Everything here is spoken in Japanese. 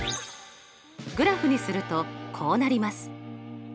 グラフにするとこうなります。